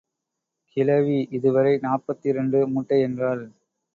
கிழவி இதுவரை நாற்பத்திரண்டு மூட்டை என்றாள்.